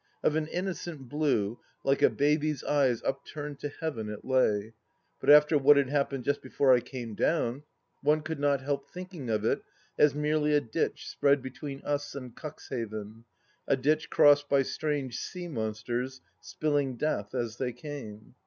Of an innocent blue, like a baby's eyes upturned to heaven, it lay. ... But after what had happened just before I came down, one could not help thinking of it as merely a ditch spread between us and Cuxhaven, a ditch crossed by strange sea monsters spilling death as they came.